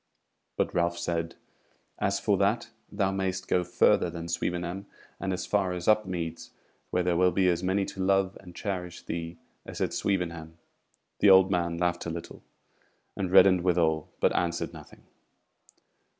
But Ralph said: "As for that, thou mayst go further than Swevenham, and as far as Upmeads, where there will be as many to love and cherish thee as at Swevenham." The old man laughed a little, and reddened withal, but answered nothing.